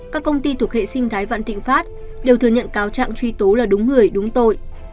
các công ty thuộc hệ sinh thái vạn thịnh pháp đều thừa nhận cáo trạng truy tố là đúng người đúng tội